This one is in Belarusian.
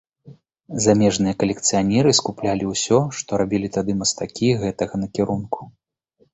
Замежныя калекцыянеры скуплялі ўсё, што рабілі тады мастакі гэтага накірунку.